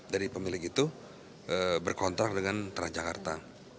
jadi pemilik itu berkontrak dengan teranjakarta